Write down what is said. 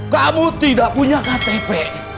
kamu tidak punya ktp